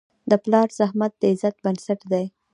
د پلار زحمت د عزت بنسټ دی.